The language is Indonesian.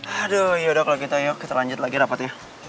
aduh yaudah kalau gitu yuk kita lanjut lagi rapatnya